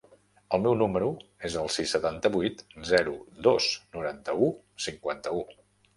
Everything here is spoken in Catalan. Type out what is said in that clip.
El meu número es el sis, setanta-vuit, zero, dos, noranta-u, cinquanta-u.